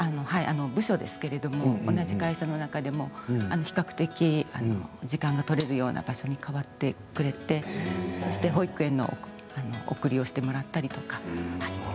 はい、部署ですけれども同じ会社の中でも比較的時間が取れるような場所に変わってくれてそして、保育園の送りをしてもらったりとか。